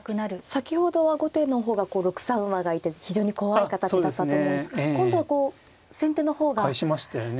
先ほどは後手の方が６三馬がいて非常に怖い形だったと思うんですが今度はこう先手の方が。返しましたよね。